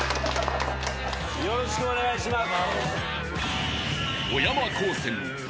よろしくお願いします。